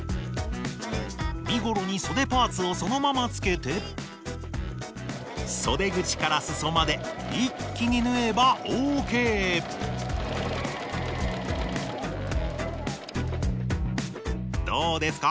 身ごろにそでパーツをそのまま付けてそで口からすそまで一気に縫えばＯＫどうですか？